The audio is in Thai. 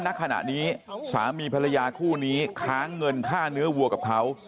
ณขณะนี้สามีภรรยาคู่นี้ค้างเงินค่าเนื้อวัวกับเขา